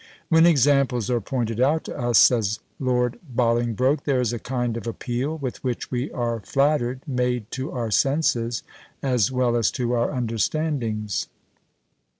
"When examples are pointed out to us," says Lord Bolingbroke, "there is a kind of appeal, with which, we are flattered, made to our senses, as well as to our understandings.